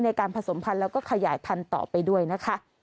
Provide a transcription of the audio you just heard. ในการผสมพันธุ์แล้วก็ขยายพันธุ์ต่อไปด้วยนะคะ